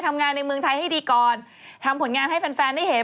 ทำงานในเมืองไทยให้ดีก่อนทำผลงานให้แฟนแฟนได้เห็น